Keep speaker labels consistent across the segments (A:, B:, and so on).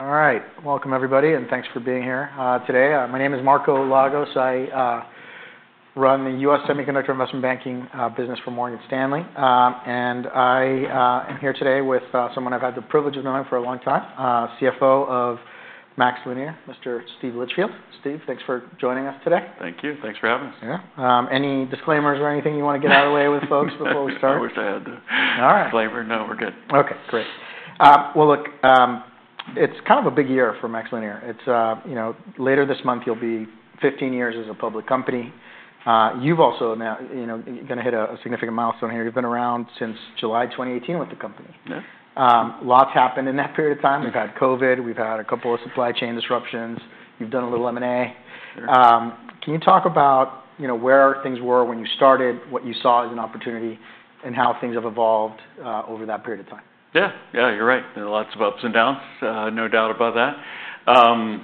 A: All right. Welcome, everybody, and thanks for being here today. My name is Marco Lagos. I run the U.S. Semiconductor Investment Banking business for Morgan Stanley. I am here today with someone I've had the privilege of knowing for a long time, CFO of MaxLinear, Mr. Steve Litchfield. Steve, thanks for joining us today.
B: Thank you. Thanks for having us.
A: Yeah. Any disclaimers or anything you want to get out of the way with folks before we start?
B: I wish I had to.
A: All right.
B: Disclaimer: No, we're good.
A: Okay. Great. Look, it's kind of a big year for MaxLinear. Later this month, you'll be 15 years as a public company. You've also now going to hit a significant milestone here. You've been around since July 2018 with the company. Lots happened in that period of time. We've had COVID. We've had a couple of supply chain disruptions. You've done a little M&A. Can you talk about where things were when you started, what you saw as an opportunity, and how things have evolved over that period of time?
B: Yeah. Yeah, you're right. There are lots of ups and downs. No doubt about that. I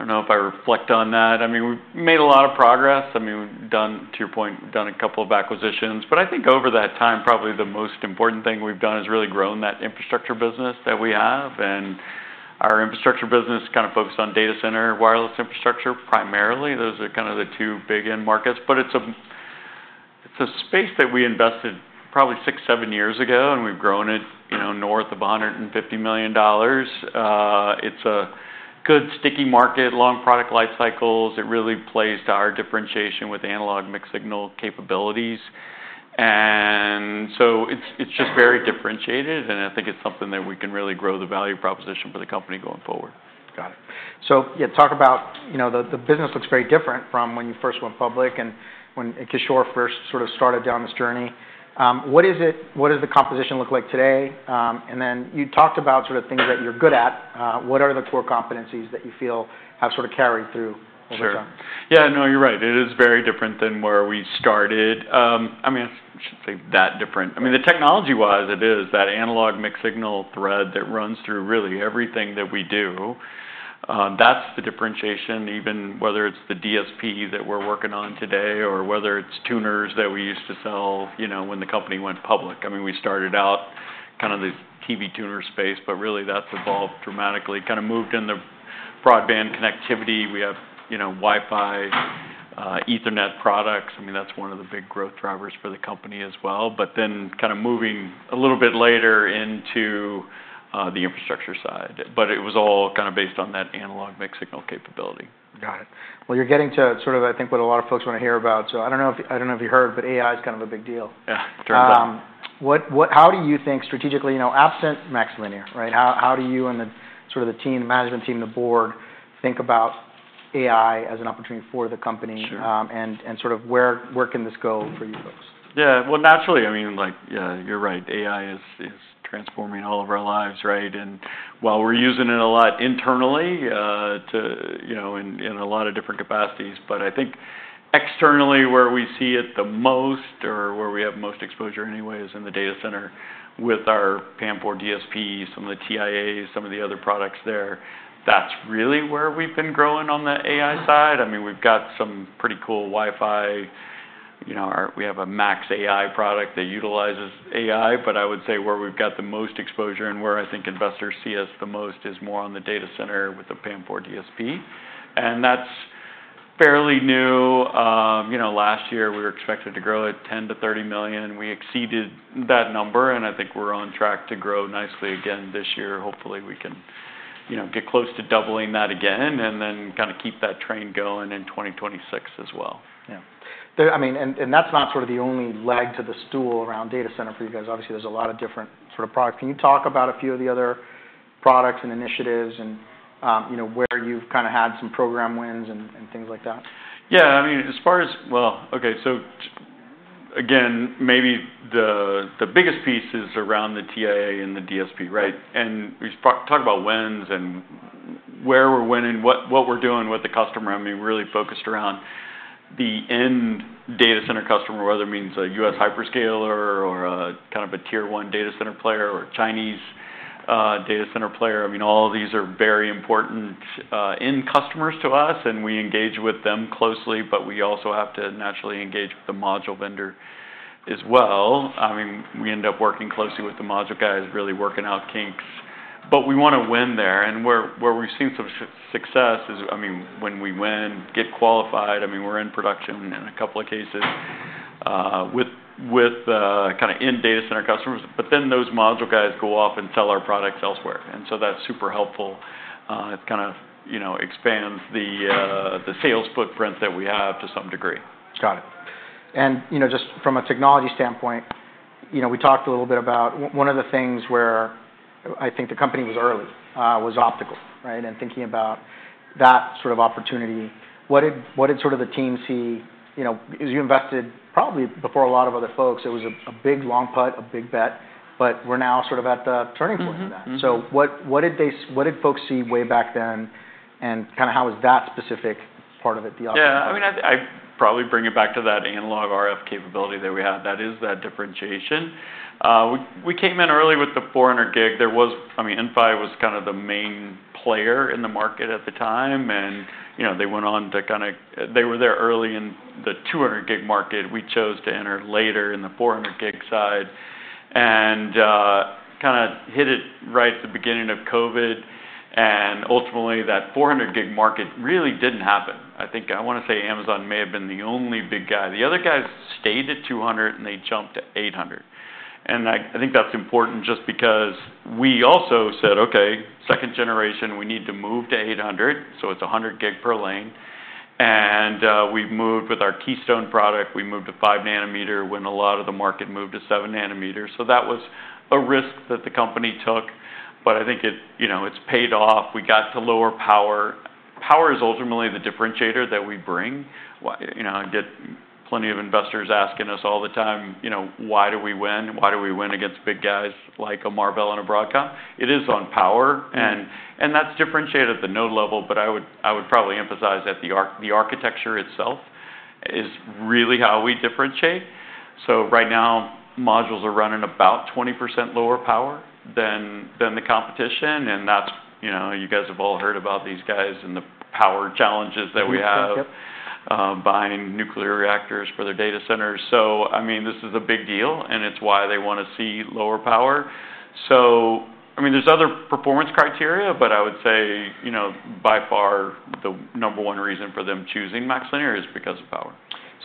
B: don't know if I reflect on that. I mean, we've made a lot of progress. I mean, to your point, we've done a couple of acquisitions. I think over that time, probably the most important thing we've done is really grown that infrastructure business that we have. Our infrastructure business is kind of focused on data center wireless infrastructure primarily. Those are kind of the two big end markets. It's a space that we invested probably six, seven years ago, and we've grown it north of $150 million. It's a good, sticky market, long product life cycles. It really plays to our differentiation with analog mixed signal capabilities. It is just very differentiated, and I think it is something that we can really grow the value proposition for the company going forward.
A: Got it. Yeah, talk about the business looks very different from when you first went public and when Kishore first sort of started down this journey. What does the composition look like today? You talked about sort of things that you're good at. What are the core competencies that you feel have sort of carried through over time?
B: Sure. Yeah, no, you're right. It is very different than where we started. I mean, I shouldn't say that different. I mean, technology-wise, it is that analog mixed signal thread that runs through really everything that we do. That's the differentiation, even whether it's the DSP that we're working on today or whether it's tuners that we used to sell when the company went public. I mean, we started out kind of this TV tuner space, but really that's evolved dramatically, kind of moved in the broadband connectivity. We have Wi-Fi, Ethernet products. I mean, that's one of the big growth drivers for the company as well. Then kind of moving a little bit later into the infrastructure side. It was all kind of based on that analog mixed signal capability.
A: Got it. You are getting to sort of, I think, what a lot of folks want to hear about. I do not know if you heard, but AI is kind of a big deal.
B: Yeah, it turns out.
A: How do you think strategically, absent MaxLinear, right, how do you and sort of the team, the management team, the board think about AI as an opportunity for the company? And sort of where can this go for you folks?
B: Yeah. Naturally, I mean, yeah, you're right. AI is transforming all of our lives, right? While we're using it a lot internally in a lot of different capacities, I think externally where we see it the most, or where we have most exposure anyway, is in the data center with our PAM4 DSP, some of the TIAs, some of the other products there. That's really where we've been growing on the AI side. I mean, we've got some pretty cool Wi-Fi. We have a MaxAI product that utilizes AI. I would say where we've got the most exposure and where I think investors see us the most is more on the data center with the PAM4 DSP. That's fairly new. Last year, we were expected to grow at $10 million-$30 million. We exceeded that number, and I think we're on track to grow nicely again this year. Hopefully, we can get close to doubling that again and then kind of keep that train going in 2026 as well.
A: Yeah. I mean, and that's not sort of the only leg to the stool around data center for you guys. Obviously, there's a lot of different sort of products. Can you talk about a few of the other products and initiatives and where you've kind of had some program wins and things like that?
B: Yeah. I mean, as far as, okay, so again, maybe the biggest piece is around the TIA and the DSP, right? And we talk about wins and where we're winning, what we're doing with the customer. I mean, we're really focused around the end data center customer, whether it means a U.S. hyperscaler or kind of a tier one data center player or a Chinese data center player. I mean, all of these are very important end customers to us, and we engage with them closely, but we also have to naturally engage with the module vendor as well. I mean, we end up working closely with the module guys, really working out kinks. We want to win there. And where we've seen some success is, I mean, when we win, get qualified. I mean, we're in production in a couple of cases with kind of end data center customers. Those module guys go off and sell our products elsewhere. That is super helpful. It kind of expands the sales footprint that we have to some degree.
A: Got it. Just from a technology standpoint, we talked a little bit about one of the things where I think the company was early was optical, right, and thinking about that sort of opportunity. What did sort of the team see? As you invested probably before a lot of other folks, it was a big long putt, a big bet, but we're now sort of at the turning point of that. What did folks see way back then and kind of how was that specific part of it, the optical?
B: Yeah. I mean, I'd probably bring it back to that analog RF capability that we had. That is that differentiation. We came in early with the 400 gig. There was, I mean, Inphi was kind of the main player in the market at the time. They went on to kind of, they were there early in the 200 gig market. We chose to enter later in the 400 gig side and kind of hit it right at the beginning of COVID. Ultimately, that 400 gig market really did not happen. I think I want to say Amazon may have been the only big guy. The other guys stayed at 200, and they jumped to 800. I think that's important just because we also said, "Okay, second generation, we need to move to 800." It is 100 gig per lane. We moved with our Keystone product. We moved to 5 nanometer when a lot of the market moved to 7 nanometer. That was a risk that the company took. I think it's paid off. We got to lower power. Power is ultimately the differentiator that we bring. I get plenty of investors asking us all the time, "Why do we win? Why do we win against big guys like a Marvell and a Broadcom?" It is on power. That is differentiated at the node level, but I would probably emphasize that the architecture itself is really how we differentiate. Right now, modules are running about 20% lower power than the competition. You guys have all heard about these guys and the power challenges that we have buying nuclear reactors for their data centers. I mean, this is a big deal, and it's why they want to see lower power.I mean, there's other performance criteria, but I would say by far the number one reason for them choosing MaxLinear is because of power.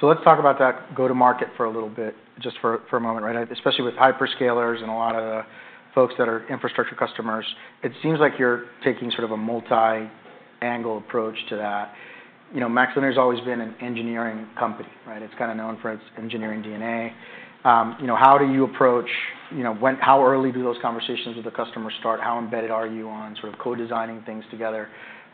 A: Let's talk about that go-to-market for a little bit, just for a moment, right? Especially with hyperscalers and a lot of the folks that are infrastructure customers. It seems like you're taking sort of a multi-angle approach to that. MaxLinear has always been an engineering company, right? It's kind of known for its engineering DNA. How do you approach? How early do those conversations with the customer start? How embedded are you on sort of co-designing things together?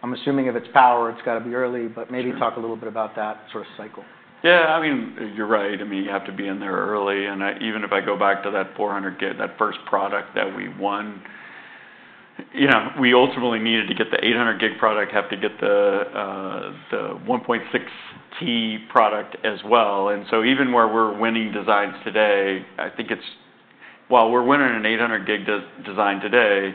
A: I'm assuming if it's power, it's got to be early, but maybe talk a little bit about that sort of cycle.
B: Yeah. I mean, you're right. I mean, you have to be in there early. Even if I go back to that 400 gig, that first product that we won, we ultimately needed to get the 800 gig product, have to get the 1.6T product as well. Even where we're winning designs today, I think it's, while we're winning an 800 gig design today,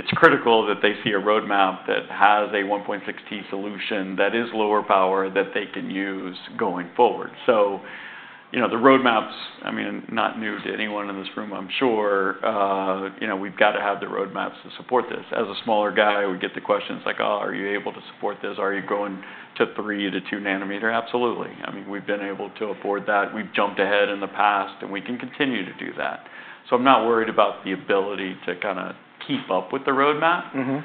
B: it's critical that they see a roadmap that has a 1.6T solution that is lower power that they can use going forward. The roadmaps, I mean, not new to anyone in this room, I'm sure. We've got to have the roadmaps to support this. As a smaller guy, we get the questions like, "Oh, are you able to support this? Are you going to 3 to 2 nanometer?" Absolutely. I mean, we've been able to afford that. We've jumped ahead in the past, and we can continue to do that. I'm not worried about the ability to kind of keep up with the roadmap.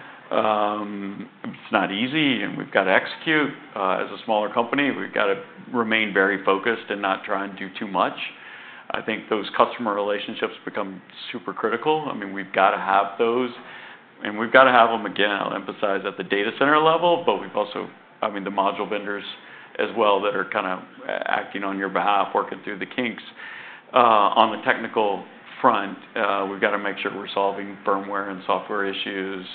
B: It's not easy, and we've got to execute. As a smaller company, we've got to remain very focused and not try and do too much. I think those customer relationships become super critical. I mean, we've got to have those, and we've got to have them again. I'll emphasize at the data center level, but we've also, I mean, the module vendors as well that are kind of acting on your behalf, working through the kinks on the technical front. We've got to make sure we're solving firmware and software issues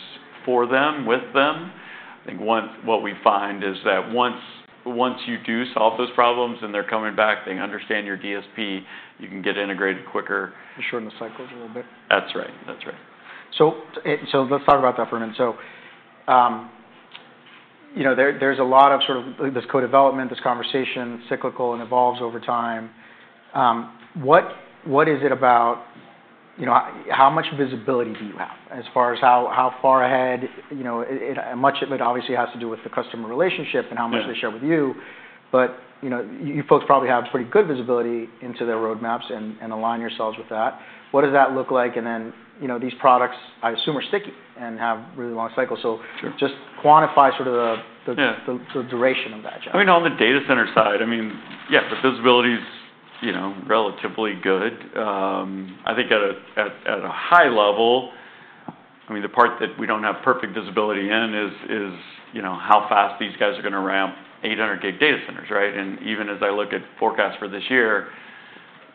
B: for them, with them. I think what we find is that once you do solve those problems and they're coming back, they understand your DSP, you can get integrated quicker.
A: You're shortening the cycles a little bit.
B: That's right. That's right.
A: Let's talk about that for a minute. There's a lot of sort of this co-development, this conversation, cyclical, and evolves over time. What is it about how much visibility do you have as far as how far ahead? Much of it obviously has to do with the customer relationship and how much they share with you. You folks probably have pretty good visibility into their roadmaps and align yourselves with that. What does that look like? These products, I assume, are sticky and have really long cycles. Just quantify sort of the duration of that job.
B: I mean, on the data center side, I mean, yeah, the visibility is relatively good. I think at a high level, I mean, the part that we don't have perfect visibility in is how fast these guys are going to ramp 800 gig data centers, right? Even as I look at forecasts for this year,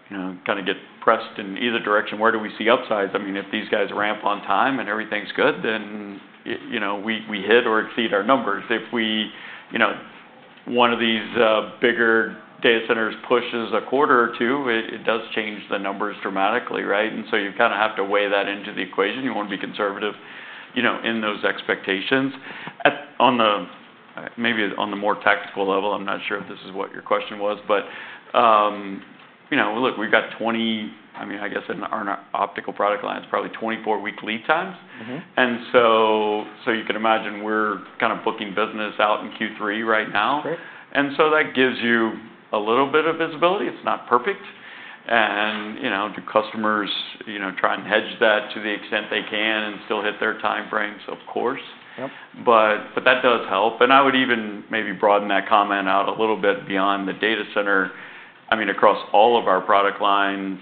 B: kind of get pressed in either direction, where do we see upsides? I mean, if these guys ramp on time and everything's good, then we hit or exceed our numbers. If one of these bigger data centers pushes a quarter or two, it does change the numbers dramatically, right? You kind of have to weigh that into the equation. You want to be conservative in those expectations. Maybe on the more tactical level, I'm not sure if this is what your question was, but look, we've got 20, I mean, I guess in our optical product line, it's probably 24-week lead times. You can imagine we're kind of booking business out in Q3 right now. That gives you a little bit of visibility. It's not perfect. The customers try and hedge that to the extent they can and still hit their time frames? Of course. That does help. I would even maybe broaden that comment out a little bit beyond the data center. I mean, across all of our product lines,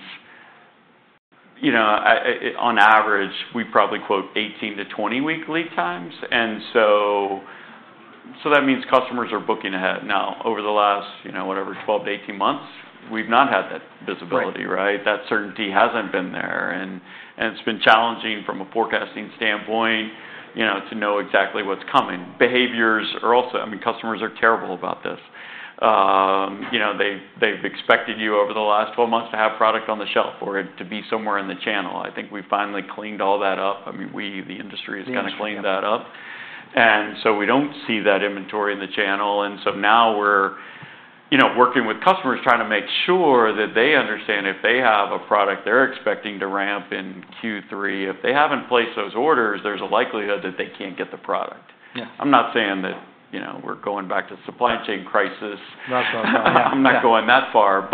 B: on average, we probably quote 18-20-week lead times. That means customers are booking ahead. Now, over the last, whatever, 12-18 months, we've not had that visibility, right? That certainty hasn't been there. It's been challenging from a forecasting standpoint to know exactly what's coming. Behaviors are also, I mean, customers are terrible about this. They've expected you over the last 12 months to have product on the shelf or to be somewhere in the channel. I think we finally cleaned all that up. I mean, we, the industry, have kind of cleaned that up. We don't see that inventory in the channel. Now we're working with customers trying to make sure that they understand if they have a product they're expecting to ramp in Q3, if they haven't placed those orders, there's a likelihood that they can't get the product. I'm not saying that we're going back to supply chain crisis. I'm not going that far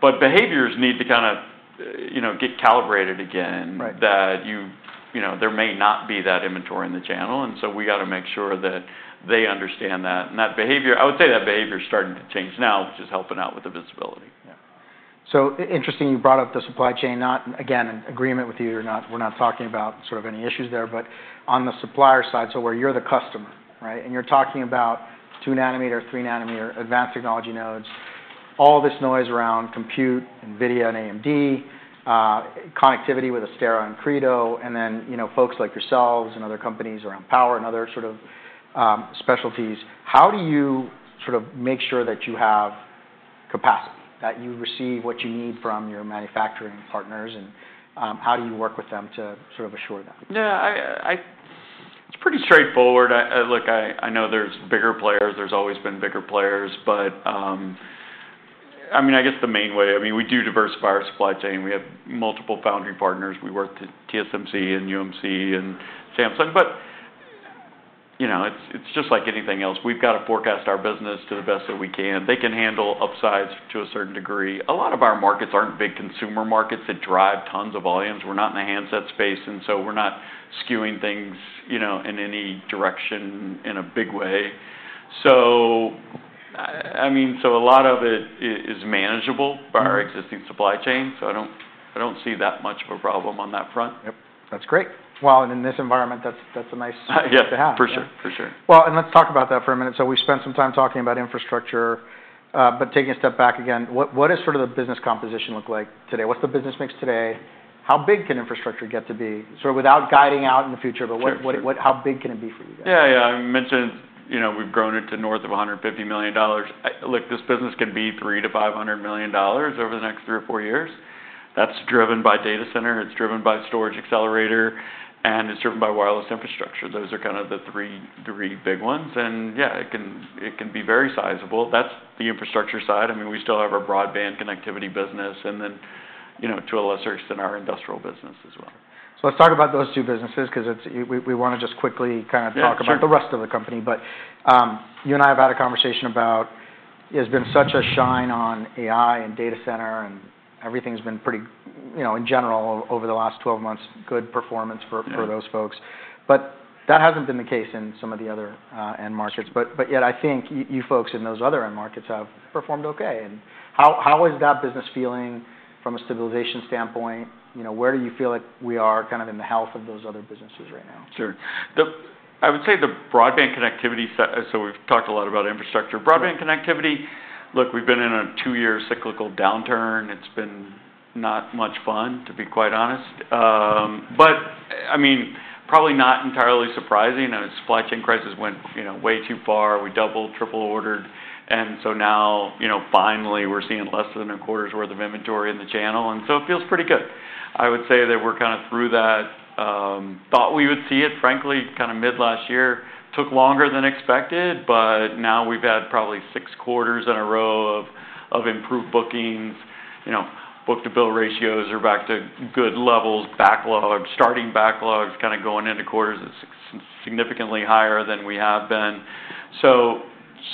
B: but behaviors need to kind of get calibrated again that there may not be that inventory in the channel. We got to make sure that they understand that. I would say that behavior is starting to change now, which is helping out with the visibility.
A: Yeah. Interesting you brought up the supply chain. Again, in agreement with you, we're not talking about sort of any issues there. On the supplier side, where you're the customer, right, and you're talking about 2-nanometer or 3-nanometer advanced technology nodes, all this noise around compute, NVIDIA and AMD, connectivity with Astera and Credo, and then folks like yourselves and other companies around power and other sort of specialties, how do you sort of make sure that you have capacity, that you receive what you need from your manufacturing partners? How do you work with them to sort of assure that?
B: Yeah. It's pretty straightforward. Look, I know there's bigger players. There's always been bigger players. I mean, I guess the main way, I mean, we do diversify our supply chain. We have multiple foundry partners. We work with TSMC and UMC and Samsung. It's just like anything else. We've got to forecast our business to the best that we can. They can handle upsides to a certain degree. A lot of our markets aren't big consumer markets that drive tons of volumes. We're not in a handset space. I mean, we're not skewing things in any direction in a big way. A lot of it is manageable by our existing supply chain. I don't see that much of a problem on that front.
A: Yep. That's great. In this environment, that's a nice to have.
B: Yeah, for sure. For sure.
A: Let's talk about that for a minute. We spent some time talking about infrastructure, but taking a step back again, what does sort of the business composition look like today? What's the business mix today? How big can infrastructure get to be? Sort of without guiding out in the future, but how big can it be for you guys?
B: Yeah. Yeah. I mentioned we've grown it to north of $150 million. Look, this business can be $300-$500 million over the next three or four years. That's driven by data center. It's driven by storage accelerator, and it's driven by wireless infrastructure. Those are kind of the three big ones. Yeah, it can be very sizable. That's the infrastructure side. I mean, we still have our broadband connectivity business and then, to a lesser extent, our industrial business as well.
A: Let's talk about those two businesses because we want to just quickly kind of talk about the rest of the company. You and I have had a conversation about there's been such a shine on AI and data center, and everything's been pretty, in general, over the last 12 months, good performance for those folks. That hasn't been the case in some of the other end markets. Yet, I think you folks in those other end markets have performed okay. How is that business feeling from a stabilization standpoint? Where do you feel like we are kind of in the health of those other businesses right now?
B: Sure. I would say the broadband connectivity set, so we've talked a lot about infrastructure. Broadband connectivity, look, we've been in a two-year cyclical downturn. It's been not much fun, to be quite honest. I mean, probably not entirely surprising. The supply chain crisis went way too far. We doubled, triple ordered. Now, finally, we're seeing less than a quarter's worth of inventory in the channel. It feels pretty good. I would say that we're kind of through that. Thought we would see it, frankly, kind of mid-last year. Took longer than expected, but now we've had probably six quarters in a row of improved bookings. Book-to-bill ratios are back to good levels. Backlog, starting backlogs, kind of going into quarters is significantly higher than we have been.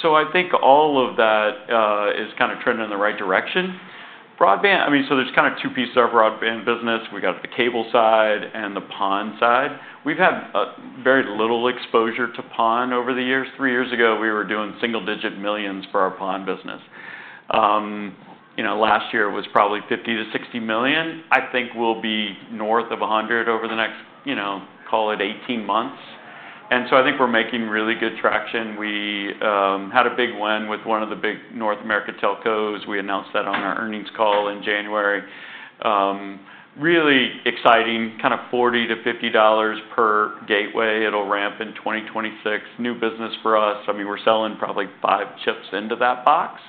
B: I think all of that is kind of trending in the right direction. I mean, so there's kind of two pieces of our broadband business. We've got the cable side and the PON side. We've had very little exposure to PON over the years. Three years ago, we were doing single-digit millions for our PON business. Last year, it was probably $50-$60 million. I think we'll be north of $100 million over the next, call it, 18 months. I think we're making really good traction. We had a big win with one of the big North America telcos. We announced that on our earnings call in January. Really exciting, kind of $40-$50 per gateway. It'll ramp in 2026. New business for us. I mean, we're selling probably five chips into that box.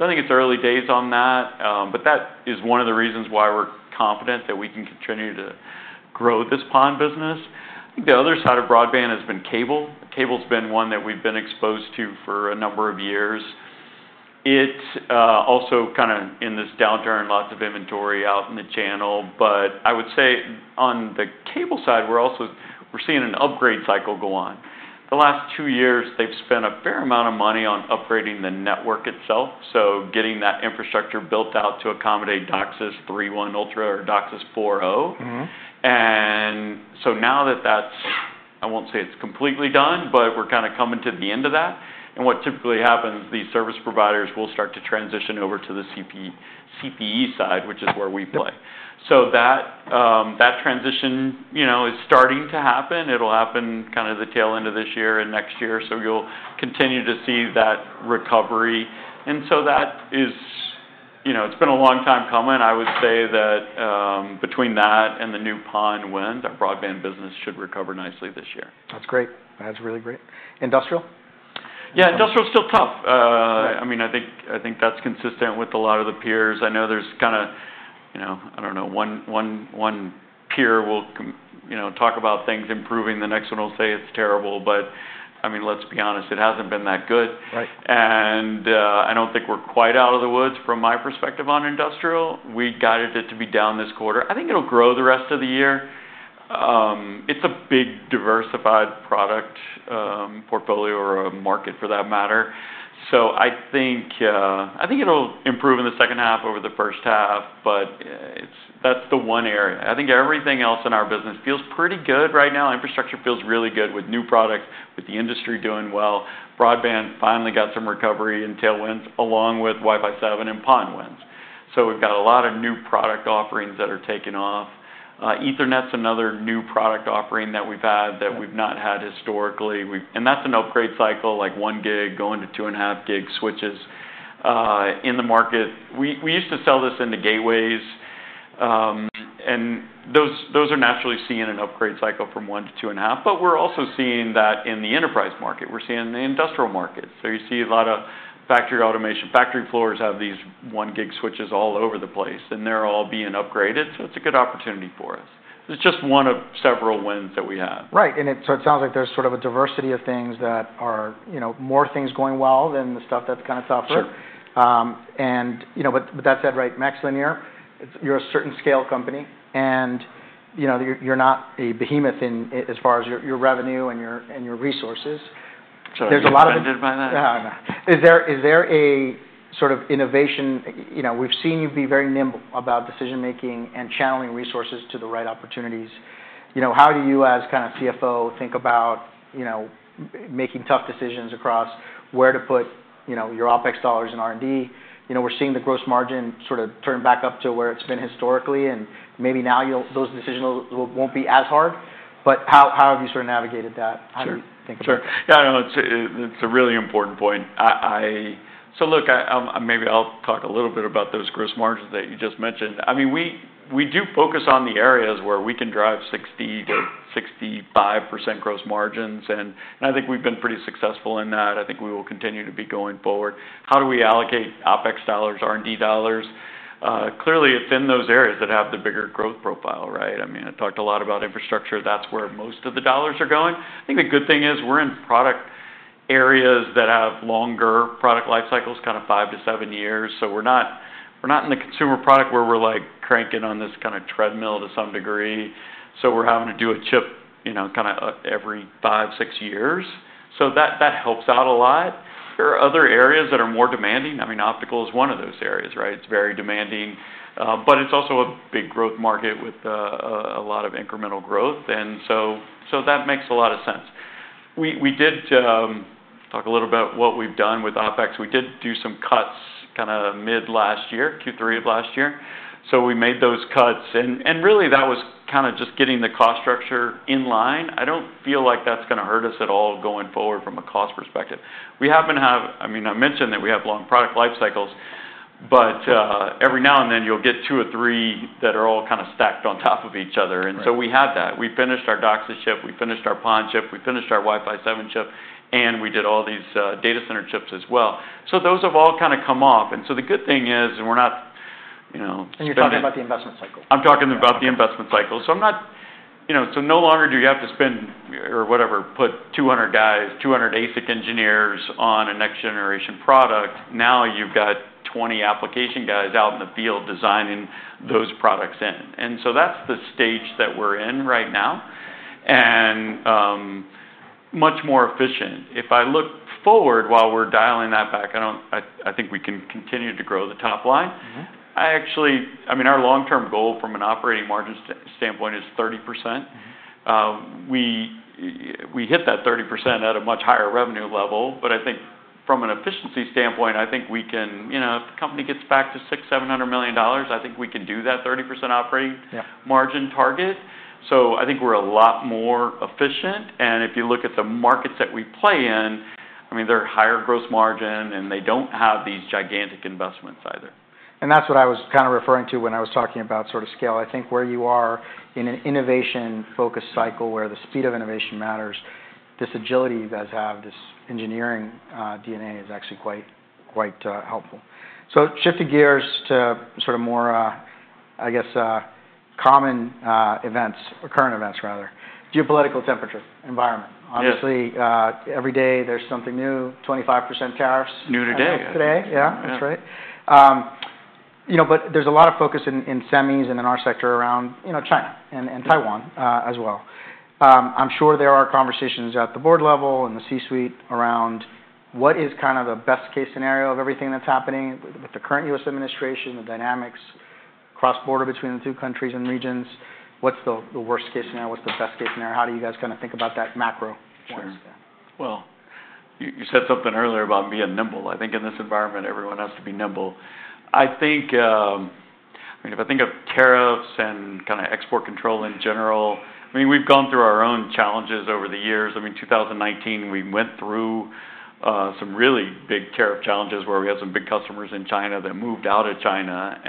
B: I think it's early days on that. That is one of the reasons why we're confident that we can continue to grow this PON business. The other side of broadband has been cable. Cable's been one that we've been exposed to for a number of years. It's also kind of in this downturn, lots of inventory out in the channel. I would say on the cable side, we're also seeing an upgrade cycle go on. The last two years, they've spent a fair amount of money on upgrading the network itself. Getting that infrastructure built out to accommodate DOCSIS 3.1 Ultra or DOCSIS 4.0. Now that that's, I won't say it's completely done, but we're kind of coming to the end of that. What typically happens, these service providers will start to transition over to the CPE side, which is where we play. That transition is starting to happen. It'll happen kind of the tail end of this year and next year. You will continue to see that recovery. That is, it's been a long time coming. I would say that between that and the new PON wind, our broadband business should recover nicely this year.
A: That's great. That's really great. Industrial?
B: Yeah. Industrial's still tough. I mean, I think that's consistent with a lot of the peers. I know there's kind of, I don't know, one peer will talk about things improving. The next one will say it's terrible. I mean, let's be honest, it hasn't been that good. I don't think we're quite out of the woods from my perspective on industrial. We guided it to be down this quarter. I think it'll grow the rest of the year. It's a big diversified product portfolio or a market for that matter. I think it'll improve in the second half over the first half, but that's the one area. I think everything else in our business feels pretty good right now. Infrastructure feels really good with new products, with the industry doing well. Broadband finally got some recovery in tail winds along with Wi-Fi 7 and PON winds. We've got a lot of new product offerings that are taking off. Ethernet's another new product offering that we've had that we've not had historically. That's an upgrade cycle, like 1 gig going to 2.5 gig switches in the market. We used to sell this into gateways, and those are naturally seeing an upgrade cycle from 1 to 2.5. We're also seeing that in the enterprise market. We're seeing it in the industrial market. You see a lot of factory automation. Factory floors have these 1-gig switches all over the place, and they're all being upgraded. It's a good opportunity for us. It's just one of several wins that we have.
A: Right. It sounds like there's sort of a diversity of things that are more things going well than the stuff that's kind of tougher. With that said, right, MaxLinear, you're a certain scale company, and you're not a behemoth as far as your revenue and your resources. There's a lot of.
B: I'm not offended by that.
A: Yeah. Is there a sort of innovation? We've seen you be very nimble about decision-making and channeling resources to the right opportunities. How do you, as kind of CFO, think about making tough decisions across where to put your OpEx dollars in R&D? We're seeing the gross margin sort of turn back up to where it's been historically, and maybe now those decisions won't be as hard. How have you sort of navigated that? How do you think about it?
B: Sure. Yeah. No, it's a really important point. Look, maybe I'll talk a little bit about those gross margins that you just mentioned. I mean, we do focus on the areas where we can drive 60%-65% gross margins. I think we've been pretty successful in that. I think we will continue to be going forward. How do we allocate OpEx dollars, R&D dollars? Clearly, it's in those areas that have the bigger growth profile, right? I mean, I talked a lot about infrastructure. That's where most of the dollars are going. I think the good thing is we're in product areas that have longer product life cycles, kind of five to seven years. We're not in the consumer product where we're cranking on this kind of treadmill to some degree. We're having to do a chip kind of every five, six years. That helps out a lot. There are other areas that are more demanding. I mean, optical is one of those areas, right? It's very demanding. It's also a big growth market with a lot of incremental growth. That makes a lot of sense. We did talk a little about what we've done with OpEx. We did do some cuts kind of mid-last year, Q3 of last year. We made those cuts. Really, that was kind of just getting the cost structure in line. I don't feel like that's going to hurt us at all going forward from a cost perspective. I mean, I mentioned that we have long product life cycles. Every now and then, you'll get two or three that are all kind of stacked on top of each other. We had that. We finished our DOCSIS chip. We finished our PON chip. We finished our Wi-Fi 7 chip. We did all these data center chips as well. Those have all kind of come off. The good thing is, and we're not.
A: You are talking about the investment cycle.
B: I'm talking about the investment cycle. No longer do you have to spend or whatever, put 200 guys, 200 ASIC engineers on a next-generation product. Now you've got 20 application guys out in the field designing those products in. That's the stage that we're in right now and much more efficient. If I look forward while we're dialing that back, I think we can continue to grow the top line. I mean, our long-term goal from an operating margin standpoint is 30%. We hit that 30% at a much higher revenue level. I think from an efficiency standpoint, I think we can, if the company gets back to $600 million-$700 million, I think we can do that 30% operating margin target. I think we're a lot more efficient. If you look at the markets that we play in, I mean, they're higher gross margin, and they don't have these gigantic investments either.
A: That is what I was kind of referring to when I was talking about sort of scale. I think where you are in an innovation-focused cycle where the speed of innovation matters, this agility you guys have, this engineering DNA is actually quite helpful. Shifting gears to sort of more, I guess, common events or current events, rather. Geopolitical temperature, environment. Obviously, every day there is something new 25% tariffs.
B: New today.
A: Today. Yeah. That's right. There is a lot of focus in semis and in our sector around China and Taiwan as well. I'm sure there are conversations at the board level and the C-suite around what is kind of the best-case scenario of everything that's happening with the current U.S. administration, the dynamics cross-border between the two countries and regions. What's the worst-case scenario? What's the best-case scenario? How do you guys kind of think about that macro?
B: Sure. You said something earlier about being nimble. I think in this environment, everyone has to be nimble. I mean, if I think of tariffs and kind of export control in general, we've gone through our own challenges over the years. In 2019, we went through some really big tariff challenges where we had some big customers in China that moved out of China.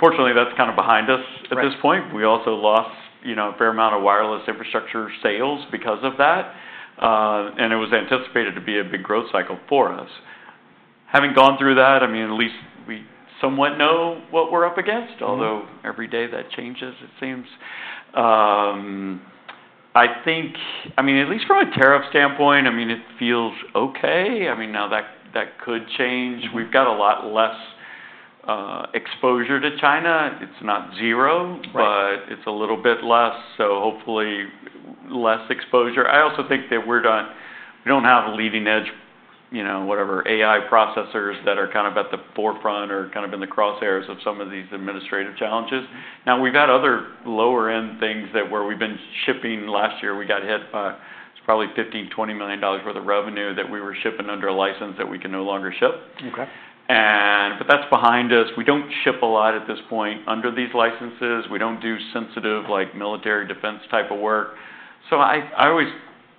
B: Fortunately, that's kind of behind us at this point. We also lost a fair amount of wireless infrastructure sales because of that. It was anticipated to be a big growth cycle for us. Having gone through that, at least we somewhat know what we're up against, although every day that changes, it seems. At least from a tariff standpoint, it feels okay. Now that could change. We've got a lot less exposure to China. It's not zero, but it's a little bit less. Hopefully, less exposure. I also think that we don't have leading-edge, whatever, AI processors that are kind of at the forefront or kind of in the crosshairs of some of these administrative challenges. Now, we've had other lower-end things where we've been shipping. Last year, we got hit by, it's probably $15 million-$20 million worth of revenue that we were shipping under a license that we can no longer ship. That's behind us. We don't ship a lot at this point under these licenses. We don't do sensitive military defense type of work. I always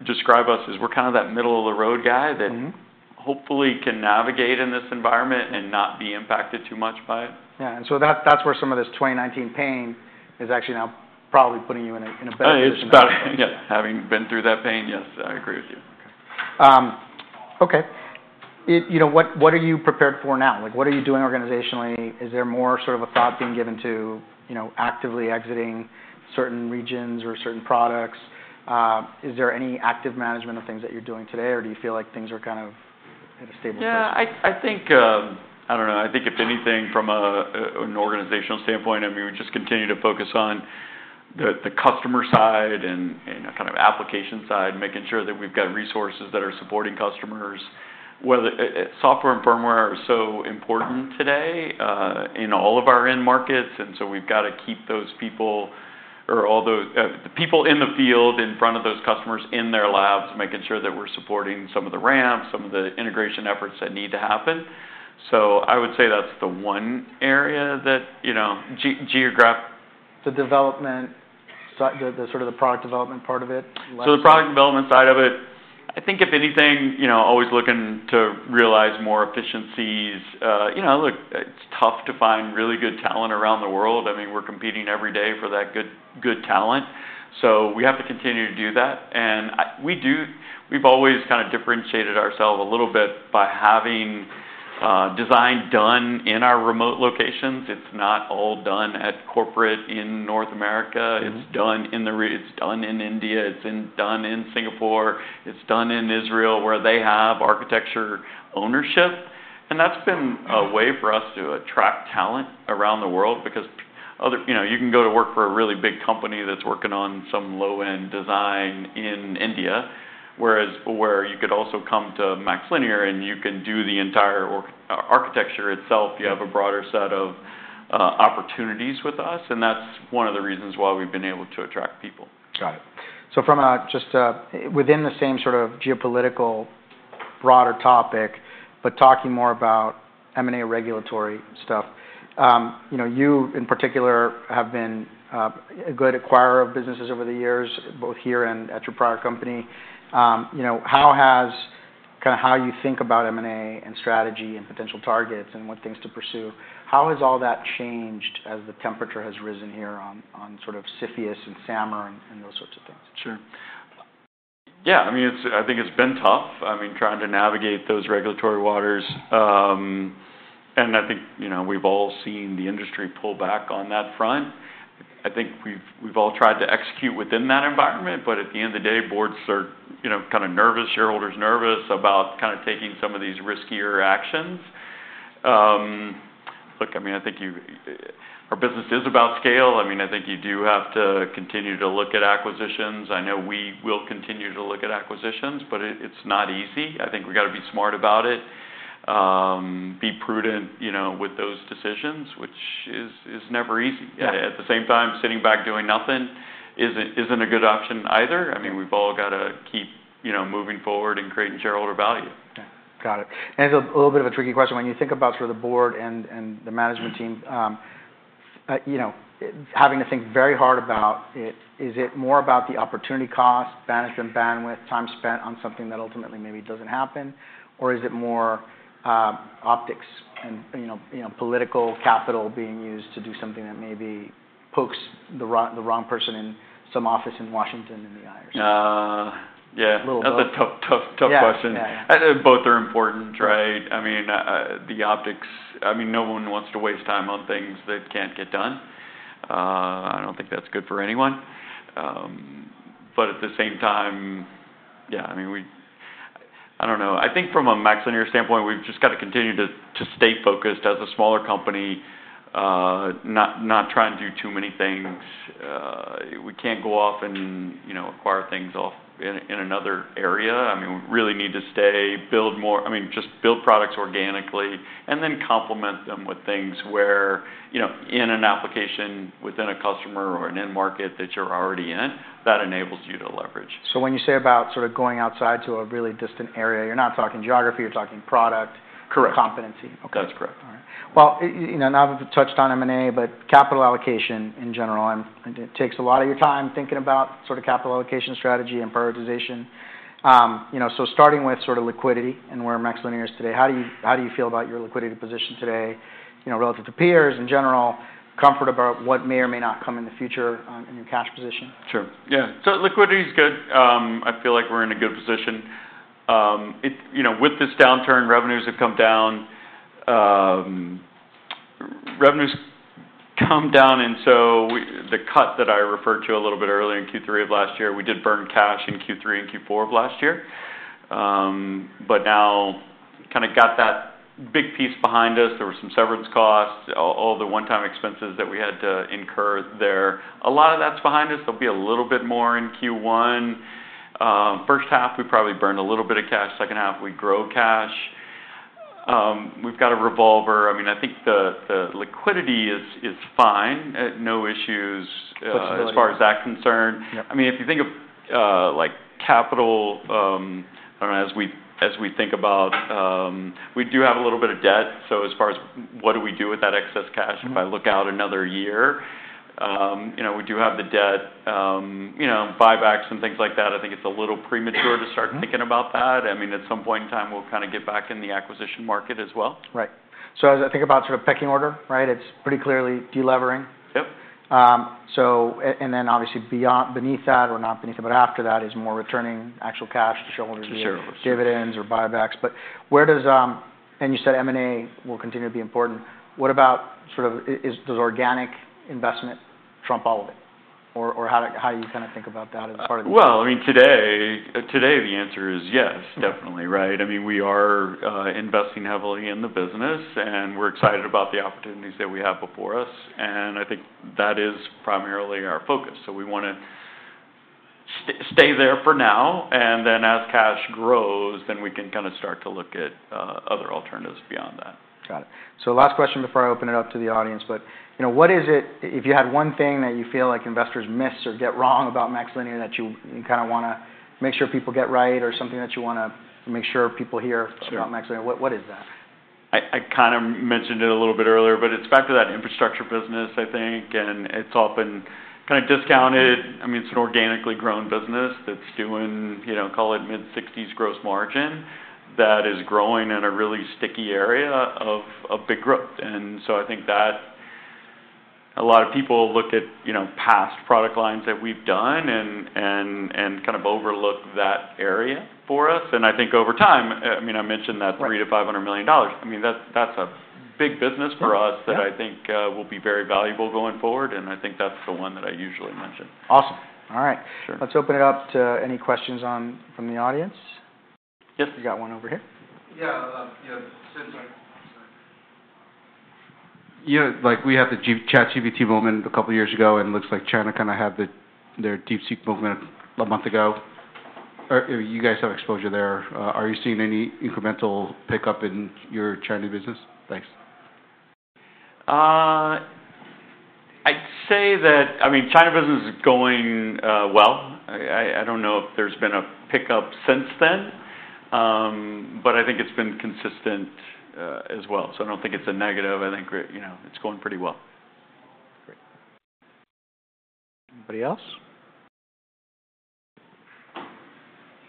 B: describe us as we're kind of that middle-of-the-road guy that hopefully can navigate in this environment and not be impacted too much by it.
A: Yeah. That is where some of this 2019 pain is actually now probably putting you in a better position.
B: Yeah. Having been through that pain, yes, I agree with you.
A: Okay. Okay. What are you prepared for now? What are you doing organizationally? Is there more sort of a thought being given to actively exiting certain regions or certain products? Is there any active management of things that you're doing today, or do you feel like things are kind of at a stable place?
B: Yeah. I don't know. I think if anything, from an organizational standpoint, I mean, we just continue to focus on the customer side and kind of application side, making sure that we've got resources that are supporting customers. Software and firmware are so important today in all of our end markets. We've got to keep those people or the people in the field in front of those customers in their labs, making sure that we're supporting some of the ramp, some of the integration efforts that need to happen. I would say that's the one area that geograph.
A: The development, sort of the product development part of it.
B: The product development side of it, I think if anything, always looking to realize more efficiencies. Look, it's tough to find really good talent around the world. I mean, we're competing every day for that good talent. We have to continue to do that. We've always kind of differentiated ourselves a little bit by having design done in our remote locations. It's not all done at corporate in North America. It's done in the region. It's done in India. It's done in Singapore. It's done in Israel where they have architecture ownership. That's been a way for us to attract talent around the world because you can go to work for a really big company that's working on some low-end design in India, whereas you could also come to MaxLinear and you can do the entire architecture itself. You have a broader set of opportunities with us. That is one of the reasons why we've been able to attract people.
A: Got it. From just within the same sort of geopolitical broader topic, but talking more about M&A regulatory stuff, you in particular have been a good acquirer of businesses over the years, both here and at your prior company. How has kind of how you think about M&A and strategy and potential targets and what things to pursue, how has all that changed as the temperature has risen here on sort of CFIUS and SAMR and those sorts of things?
B: Sure. Yeah. I mean, I think it's been tough, I mean, trying to navigate those regulatory waters. I think we've all seen the industry pull back on that front. I think we've all tried to execute within that environment. At the end of the day, boards are kind of nervous. Shareholders are nervous about kind of taking some of these riskier actions. Look, I mean, I think our business is about scale. I mean, I think you do have to continue to look at acquisitions. I know we will continue to look at acquisitions, but it's not easy. I think we've got to be smart about it, be prudent with those decisions, which is never easy. At the same time, sitting back doing nothing isn't a good option either. I mean, we've all got to keep moving forward and creating shareholder value.
A: Yeah. Got it. It's a little bit of a tricky question. When you think about sort of the board and the management team, having to think very hard about it, is it more about the opportunity cost, management bandwidth, time spent on something that ultimately maybe doesn't happen, or is it more optics and political capital being used to do something that maybe pokes the wrong person in some office in Washington and the IRC?
B: Yeah. That's a tough question. Both are important, right? I mean, the optics, I mean, no one wants to waste time on things that can't get done. I don't think that's good for anyone. At the same time, yeah, I mean, I don't know. I think from a MaxLinear standpoint, we've just got to continue to stay focused as a smaller company, not trying to do too many things. We can't go off and acquire things in another area. I mean, we really need to stay, build more, I mean, just build products organically and then complement them with things where in an application within a customer or an end market that you're already in, that enables you to leverage.
A: When you say about sort of going outside to a really distant area, you're not talking geography. You're talking product competency.
B: Correct. That's correct.
A: All right. Now that we've touched on M&A, but capital allocation in general, it takes a lot of your time thinking about sort of capital allocation strategy and prioritization. Starting with sort of liquidity and where MaxLinear is today, how do you feel about your liquidity position today relative to peers in general, comfort about what may or may not come in the future in your cash position?
B: Sure. Yeah. Liquidity is good. I feel like we're in a good position. With this downturn, revenues have come down. Revenues come down. The cut that I referred to a little bit earlier in Q3 of last year, we did burn cash in Q3 and Q4 of last year. Now kind of got that big piece behind us. There were some severance costs, all the one-time expenses that we had to incur there. A lot of that's behind us. There'll be a little bit more in Q1. First half, we probably burned a little bit of cash. Second half, we grow cash. We've got a revolver. I mean, I think the liquidity is fine. No issues as far as that concerned. I mean, if you think of capital, as we think about, we do have a little bit of debt. As far as what do we do with that excess cash if I look out another year? We do have the debt, buybacks and things like that. I think it's a little premature to start thinking about that. I mean, at some point in time, we'll kind of get back in the acquisition market as well.
A: Right. As I think about sort of pecking order, right, it's pretty clearly delevering. Then obviously beneath that, or not beneath it, but after that is more returning actual cash to shareholders, dividends or buybacks. Where does, and you said M&A will continue to be important. What about sort of does organic investment trump all of it? How do you kind of think about that as part of the?
B: I mean, today, the answer is yes, definitely, right? I mean, we are investing heavily in the business, and we're excited about the opportunities that we have before us. I think that is primarily our focus. We want to stay there for now. As cash grows, then we can kind of start to look at other alternatives beyond that.
A: Got it. Last question before I open it up to the audience. What is it, if you had one thing that you feel like investors miss or get wrong about MaxLinear that you kind of want to make sure people get right or something that you want to make sure people hear about MaxLinear, what is that?
B: I kind of mentioned it a little bit earlier, but it's back to that infrastructure business, I think. It's often kind of discounted. I mean, it's an organically grown business that's doing, call it mid-60% gross margin that is growing in a really sticky area of big growth. I think that a lot of people look at past product lines that we've done and kind of overlook that area for us. I think over time, I mentioned that $300 to $500 million. That's a big business for us that I think will be very valuable going forward. I think that's the one that I usually mention.
A: Awesome. All right. Let's open it up to any questions from the audience.
B: Yes.
A: We got one over here. Yeah.
B: We had the ChatGPT moment a couple of years ago, and it looks like China kind of had their DeepSeek movement a month ago. You guys have exposure there. Are you seeing any incremental pickup in your China business? Thanks. I'd say that, I mean, China business is going well. I don't know if there's been a pickup since then, but I think it's been consistent as well. I don't think it's a negative. I think it's going pretty well.
A: Great. Anybody else?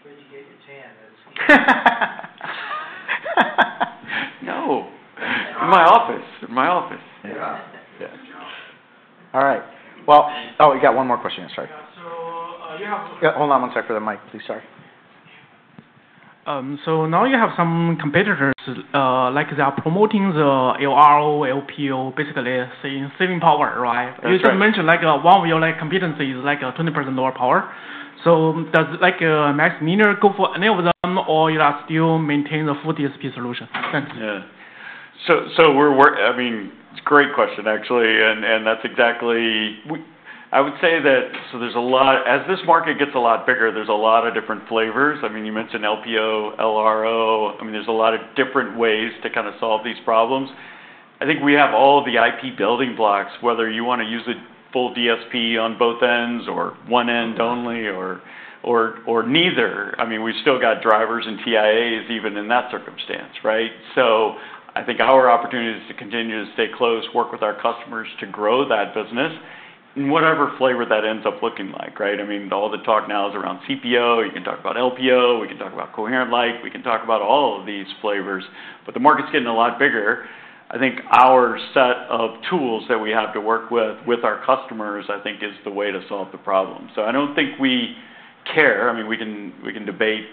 A: Where'd you get your tan? That's cute.
B: No. In my office. In my office. Yeah.
A: All right. Oh, we got one more question. Sorry. You have. Hold on one sec for the mic, please. Sorry. Now you have some competitors like they are promoting the LRO, LPO, basically saving power, right? You just mentioned like one of your competencies is like 20% lower power. Does MaxLinear go for any of them or you still maintain the full DSP solution? Thanks.
B: Yeah. I mean, it's a great question, actually. That's exactly, I would say, that as this market gets a lot bigger, there's a lot of different flavors. I mean, you mentioned LPO, LRO. There's a lot of different ways to kind of solve these problems. I think we have all the IP building blocks, whether you want to use a full DSP on both ends or one end only or neither. We've still got drivers and TIAs even in that circumstance, right? I think our opportunity is to continue to stay close, work with our customers to grow that business in whatever flavor that ends up looking like, right? All the talk now is around CPO. You can talk about LPO. We can talk about Coherent Life. We can talk about all of these flavors. The market's getting a lot bigger. I think our set of tools that we have to work with, with our customers, I think is the way to solve the problem. I do not think we care. I mean, we can debate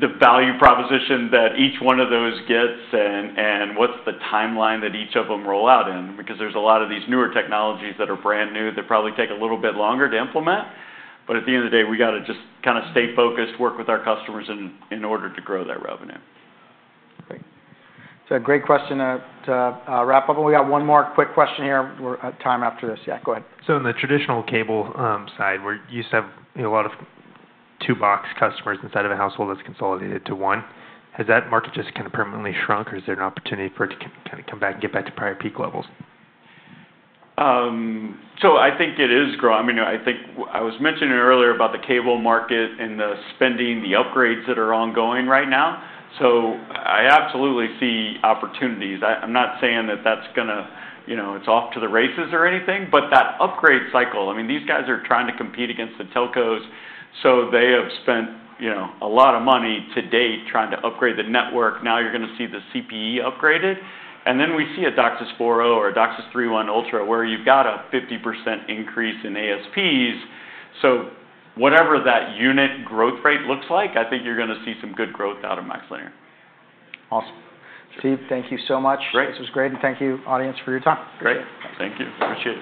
B: the value proposition that each one of those gets and what is the timeline that each of them roll out in because there are a lot of these newer technologies that are brand new that probably take a little bit longer to implement. At the end of the day, we got to just kind of stay focused, work with our customers in order to grow that revenue.
A: Great. A great question to wrap up. We got one more quick question here. We're at time after this. Yeah, go ahead. In the traditional cable side, we used to have a lot of two-box customers instead of a household that's consolidated to one. Has that market just kind of permanently shrunk or is there an opportunity for it to kind of come back and get back to prior peak levels?
B: I think it is growing. I mean, I think I was mentioning earlier about the cable market and the spending, the upgrades that are ongoing right now. I absolutely see opportunities. I'm not saying that that's going to it's off to the races or anything, but that upgrade cycle, I mean, these guys are trying to compete against the telcos. They have spent a lot of money to date trying to upgrade the network. Now you're going to see the CPE upgraded. Then we see a DOCSIS 4.0 or a DOCSIS 3.1 Ultra where you've got a 50% increase in ASPs. Whatever that unit growth rate looks like, I think you're going to see some good growth out of MaxLinear.
A: Awesome. Steve, thank you so much. This was great. Thank you, audience, for your time.
B: Great. Thank you. Appreciate it.